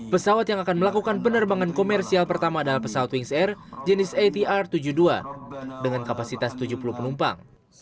pesawat yang akan melakukan penerbangan komersial pertama adalah pesawat wings air jenis atr tujuh puluh dua dengan kapasitas tujuh puluh penumpang